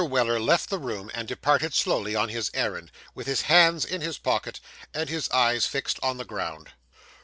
Weller left the room, and departed slowly on his errand, with his hands in his pocket and his eyes fixed on the ground.